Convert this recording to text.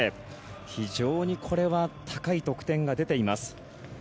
非常にこれは高い得点が出ています。